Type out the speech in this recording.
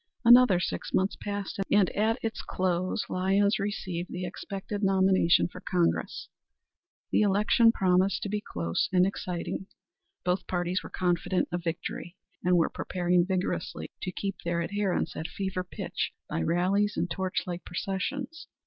Another six months passed, and at its close Lyons received the expected nomination for Congress. The election promised to be close and exciting. Both parties were confident of victory, and were preparing vigorously to keep their adherents at fever pitch by rallies and torch light processions.